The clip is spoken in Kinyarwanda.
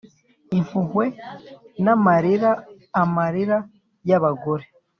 impuhwe n'amarira - amarira y'abagore!